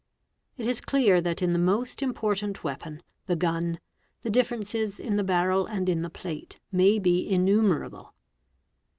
It is clear that in the most important weapon, the gun, thi differences in the barrel and in the plate may be innumerable.